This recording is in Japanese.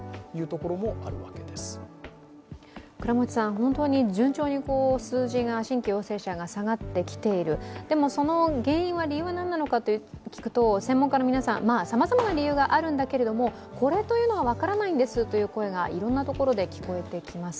本当に順調に数字が、新規陽性者が下がってきている、でもその原因、理由は何なのかと聞くと、専門家の皆さんさまざまな理由があるんだけれどもこれというのが分からないんですという声がいろんなところで聞こえてきます。